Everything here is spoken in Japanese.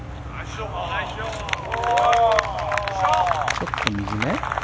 ちょっと右め？